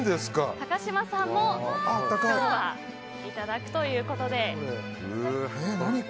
高嶋さんも、今日はいただくということで。